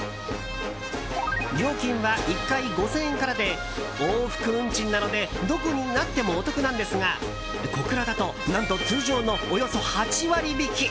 料金は１回５０００円からで往復運賃なのでどこになってもお得なんですが小倉だと、何と通常のおよそ８割引き！